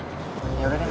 yaudah deh next time